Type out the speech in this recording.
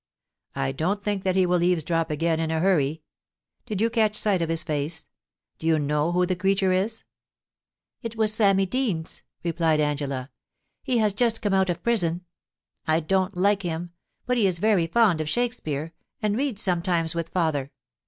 I don't think that he will eavesdrop again in a hurry. Did you catch sight of his face ? Do you know who the creature is ?It was Sammy Deans,' replied Angela. * He has just come out of prison. I don't like him ; but he is very fond of Shakespeare, and reads sometimes with father.